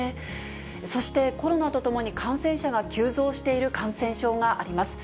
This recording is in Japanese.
そしてコロナとともに感染者が急増している感染症があります。